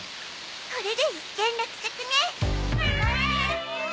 これで一件落着ね！